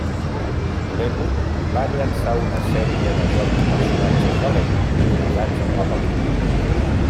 Lego va llançar una sèrie de jocs i personatges de Lego basats en la pel·lícula.